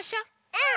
うん！